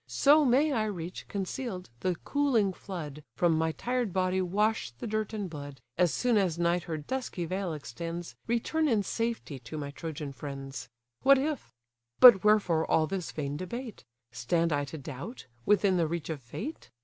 So may I reach, conceal'd, the cooling flood, From my tired body wash the dirt and blood, As soon as night her dusky veil extends, Return in safety to my Trojan friends. What if?—But wherefore all this vain debate? Stand I to doubt, within the reach of fate?